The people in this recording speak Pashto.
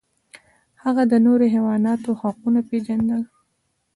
هغه د نورو حیواناتو حقونه پیژندل.